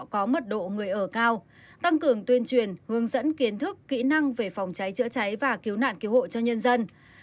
có mật độ người ở cao tăng cường tuyên truyền hướng dẫn kiến thức kỹ năng về phòng cháy chữa cháy và cứu nạn cứu hộ cho nhân dân